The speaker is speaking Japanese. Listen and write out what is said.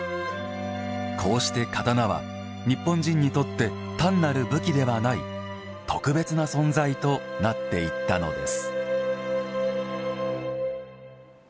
こうして刀は、日本人にとって単なる武器ではない特別な存在となっていったのです。